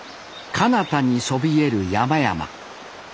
かなたにそびえる山々。